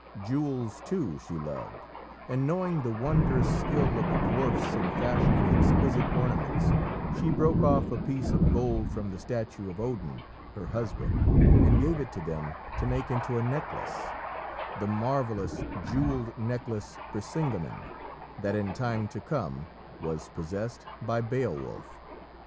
Jewels, too, she loved, and knowing the wondrous skill of the dwarfs in fashioning exquisite ornaments, she broke off a piece of gold from the statue of Odin, her husband, and gave it to them to make into a necklace the marvellous jewelled necklace Brisingamen, that in time to come was possessed by Beowulf.